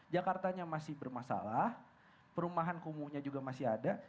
jakartanya masih bermasalah perumahan kumuhnya juga masih ada